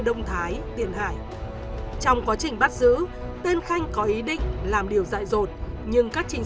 đông thái tiền hải trong quá trình bắt giữ tên khanh có ý định làm điều dạy rột nhưng các trinh